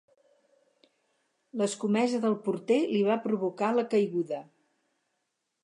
L'escomesa del porter li va provocar la caiguda.